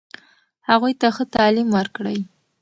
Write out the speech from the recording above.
هغوی ته ښه تعلیم ورکړئ.